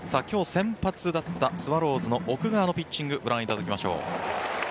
今日先発だったスワローズの奥川のピッチングをご覧いただきましょう。